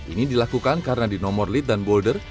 ini dilakukan karena di nomor lead dan boulder